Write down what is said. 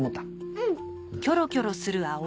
うん！